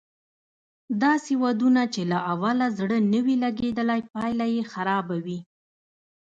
داسې ودونه چې له اوله زړه نه وي لګېدلی پايله یې خرابه وي